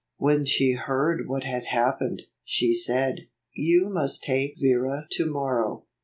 When she heard what had happened, she said, " You must take Vera to morrow.